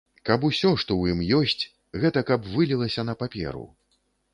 Каб усё, што ў ім ёсць, гэта каб вылілася на паперу.